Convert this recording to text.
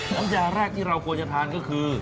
น้ำยาแรกที่เราควรจะทานก็คือ